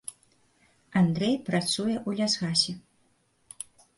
Андрэй працуе ў лясгасе.